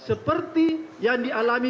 seperti yang dialami